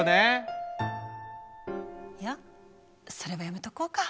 いやそれはやめとこうか。